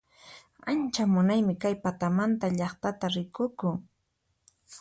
Ancha munaymi kay patamanta llaqtaqa rikukun